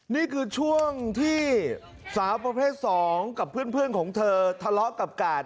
นี่คือช่วงที่สาวประเภท๒กับเพื่อนของเธอทะเลาะกับกาด